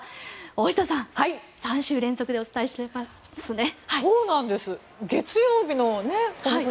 大下さん、３週連続でお伝えしていますね。